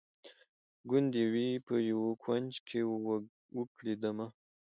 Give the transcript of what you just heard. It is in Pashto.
ګوندي وي په یوه کونج کي وکړي دمه